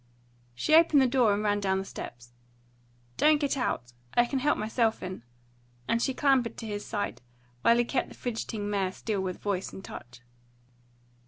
She opened the door and ran down the steps. "Don't get out; I can help myself in," and she clambered to his side, while he kept the fidgeting mare still with voice and touch.